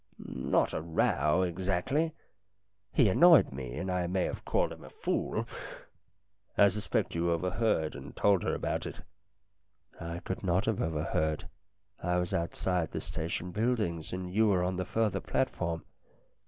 " Not a row exactly. He annoyed me, and I may have called him a fool. I suppose you over heard and told her about it." "I could not have overheard. I was outside the station buildings and you were on the further platform."